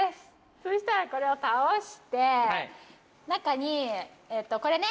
そしたらこれを倒して中にこれね。